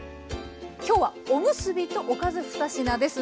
今日はおむすびとおかず２品です。